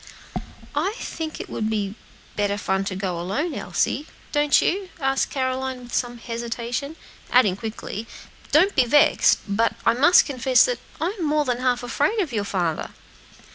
"I think it would be better fun to go alone, Elsie don't you?" asked Caroline, with some hesitation; adding quickly: "Don't be vexed, but I must confess I am more than half afraid of your father."